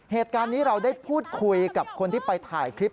เหตุการณ์นี้เราได้พูดคุยกับคนที่ไปถ่ายคลิป